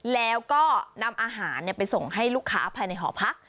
แล้วก็นำอาหารไปส่งให้ลูกค้าภายในหอพัก